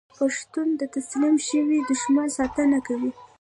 پښتون د تسلیم شوي دښمن ساتنه کوي.